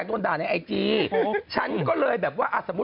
คุณนั่นแหละดีแล้ว